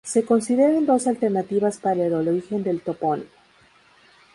Se consideran dos alternativas para el origen del topónimo.